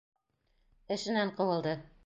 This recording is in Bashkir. Эшенән ҡыуылды!